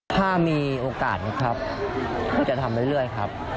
ถ้ามีโอกาสนะครับก็จะทำเรื่อยครับ